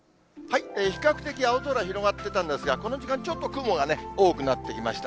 比較的青空広がってたんですが、この時間ちょっと雲がね、多くなってきました。